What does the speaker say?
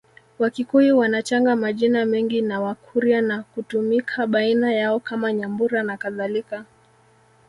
Wakikuyu wanachanga majina mengi na Wakurya na kutumika baina yao kama Nyambura nakadhalika